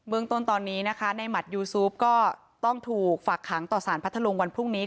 เมืองต้นตอนนี้นะคะในหมัดยูซูฟก็ต้องถูกฝากขังต่อสารพัทธลุงวันพรุ่งนี้